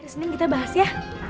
senin kita bahas ya